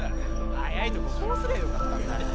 早いとここうすりゃよかったんだ。